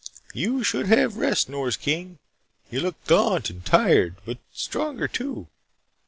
"You should have rest, Nors King. You look gaunt and tired but stronger too.